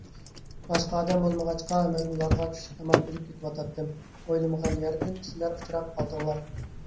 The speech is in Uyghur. باشقا ئادەم بولمىغاچقا، مەن ئۇلارغا چۈشلۈك تاماق ئېلىپ كېتىۋاتاتتىم. ئويلىمىغان يەردىن سىلەر ئۇچراپ قالدىڭلار.